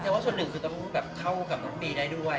ว่าส่วนหนึ่งคือต้องแบบเข้ากับน้องบีได้ด้วย